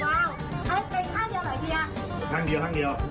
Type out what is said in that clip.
เป็นห้างเดียวเหรอเฮีย